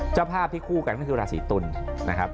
เจ้าภาพที่คู่กันก็คือราศีตุลนะครับ